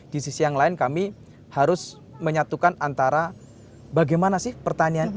di sisi yang lain kami harus menyatukan antara bagaimana sih pertanian itu